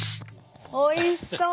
おいしそう！